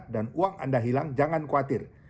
uang anda hilang jangan khawatir